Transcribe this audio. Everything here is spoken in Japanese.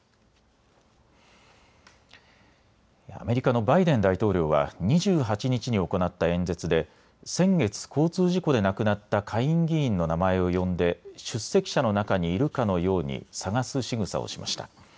アメリカのバイデン大統領は２８日に行った演説で先月、交通事故で亡くなった下院議員の名前を呼んで出席者の中にいるかのように探すしぐさをしました。